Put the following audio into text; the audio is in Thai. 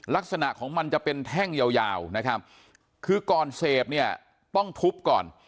ลักษณะของมันจะเป็นแท่งยาวคือก่อนเสพต้องทุบก่อน